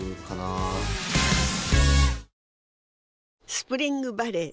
スプリングバレー